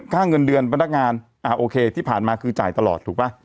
เงินเดือนพนักงานอ่าโอเคที่ผ่านมาคือจ่ายตลอดถูกป่ะ